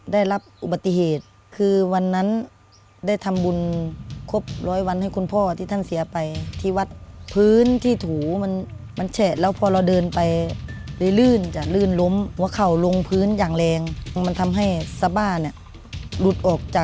ได้รับอุบัติเหตุคือวันนั้นได้ทำบุญครบ๑๐๐วันให้คุณพ่อที่ท่านเสียไปที่วัด